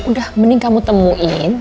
udah mending kamu temuin